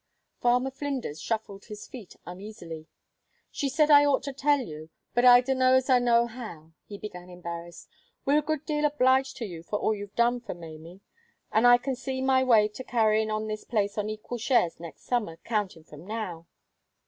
Farmer Flinders shuffled his feet uneasily. "She said I'd ought to tell you, but I d'know's I know how," he began, embarrassed. "We're a good deal obliged to you for all you've done for Maimie, an' I can see my way to carryin' on this place on equal shares next summer, countin' from now.